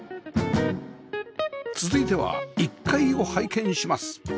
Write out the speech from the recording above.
続いては１階を拝見します